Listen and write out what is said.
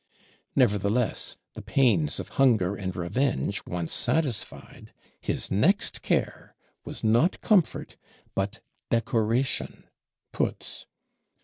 Nevertheless, the pains of Hunger and Revenge once satisfied, his next care was not Comfort but Decoration (Putz).